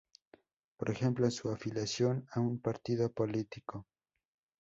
Por ejemplo, su afiliación a un partido político.